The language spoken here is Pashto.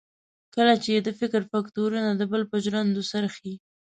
کله چې یې د فکر فکټورنه د بل پر ژرندو څرخي.